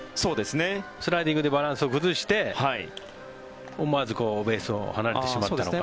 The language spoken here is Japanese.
スライディングでバランスを崩して思わずベースを離れてしまったのかと。